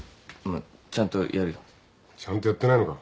ちゃんとやってないのか。